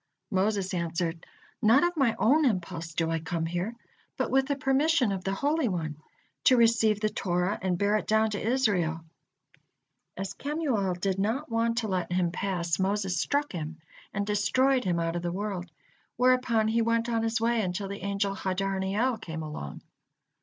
Moses answered: "Not of my own impulse do I come here, but with the permission of the Holy One, to receive the Torah and bear it down to Israel." As Kemuel did not want to let him pass, Moses struck him and destroyed him out of the world, whereupon he went on his way until the angel Hadarniel came along.